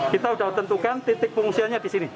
kita sudah tentukan titik pengungsiannya di sini